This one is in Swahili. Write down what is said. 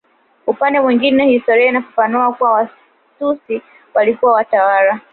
Upande mwingine historia inafafanua kuwa Watusi walikuwa watawala